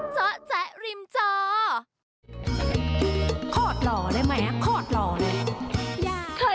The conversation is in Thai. โคตรหล่อเลยแม่โคตรหล่อเลย